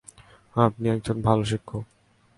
আপনি একজন ভালো শিক্ষক।